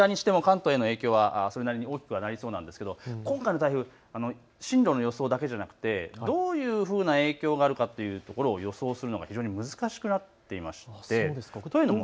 どちらにしても関東への影響はそれなりに大きくなりそうですが今回の台風、進路の予想だけではなくどういうふうな影響があるかというところを予想するのが非常に難しくなっていて。